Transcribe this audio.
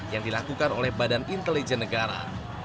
yang dilakukan oleh badan intelijen negara